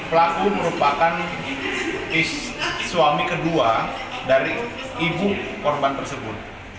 pelaku merupakan suami kedua dari ibu korban tersebut